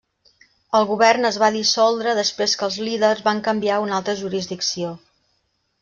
El govern es va dissoldre després que els líders van canviar a una altra jurisdicció.